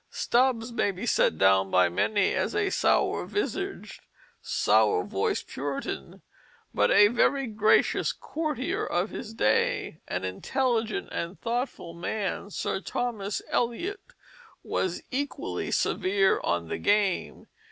Stubbes may be set down by many as a sour visaged, sour voiced Puritan; but a very gracious courtier of his day, an intelligent and thoughtful man, Sir Thomas Elyot, was equally severe on the game.